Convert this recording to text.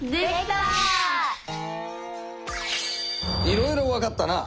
いろいろわかったな。